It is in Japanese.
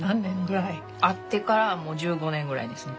会ってからはもう１５年ぐらいですね。